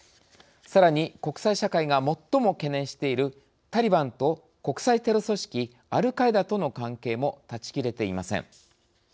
さらに、国際社会が最も懸念しているタリバンと国際テロ組織アルカイダとの関係も断ち切れていません。